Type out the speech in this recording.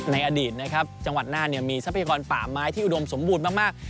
ในอดีตนะครับจังหวัดน่านมีทรัพยากรป่าไม้ที่อุดมสมบูรณ์มาก